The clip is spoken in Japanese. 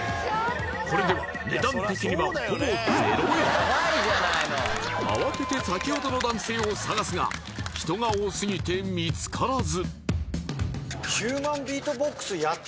これでは値段的にはほぼ０円慌てて先ほどの男性を捜すが人が多すぎて見つからず・